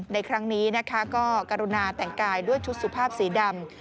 ในครั้งนี้นะคะก็กรุณาแต่งกายด้วยชุดสุภาพสีดำ